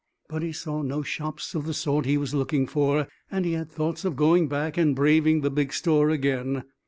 But he saw no shops of the sort he was looking for, and he had thoughts of going back and braving the big store again.